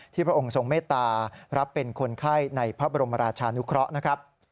พระองค์ทรงเมตตารับเป็นคนไข้ในพระบรมราชานุเคราะห์นะครับ